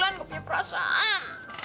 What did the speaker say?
aku punya perasaan